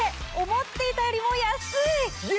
思っていたよりも安い！